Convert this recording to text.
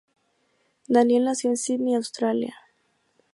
Daniel nació en Sídney, Australia.